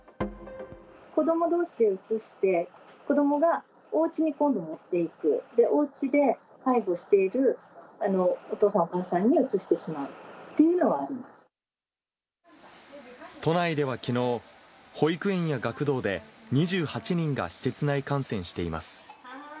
子どもどうしでうつして、子どもがおうちに今度持っていく、おうちで介抱しているお父さんお母さんにうつしてしまうっていう都内ではきのう、保育園や学童で、２８人が施設内感染しています。